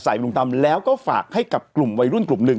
ใส่บริษัทมันตามแล้วก็ฝากให้กับกลุ่มวัยรุ่นกลุ่มนึง